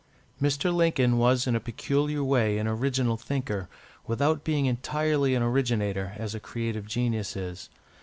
Mr. Lincoln was in a peculiar way an original thinker, without being entirely an originator, as a creative genius is.